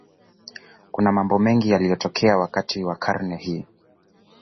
Kuna mambo mengi yaliyotokea wakati wa karne hii.